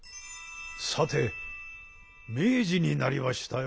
さて明治になりましたよ。